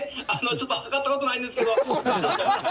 ちょっと計った事ないんですけど。